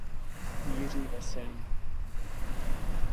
Jiří Veselý.